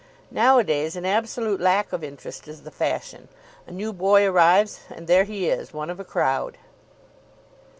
Nowadays an absolute lack of interest is the fashion. A new boy arrives, and there he is, one of a crowd.